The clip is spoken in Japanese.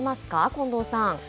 近藤さん。